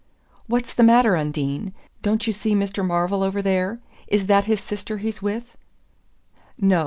"What's the matter. Undine? Don't you see Mr. Marvell over there? Is that his sister he's with?" "No.